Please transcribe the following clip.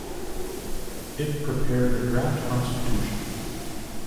It prepared a draft Constitution.